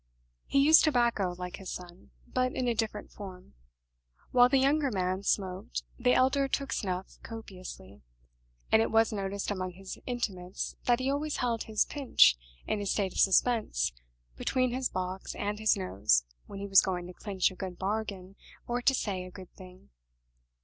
He used tobacco like his son, but in a different form. While the younger man smoked, the elder took snuff copiously; and it was noticed among his intimates that he always held his "pinch" in a state of suspense between his box and his nose when he was going to clinch a good bargain or to say a good thing.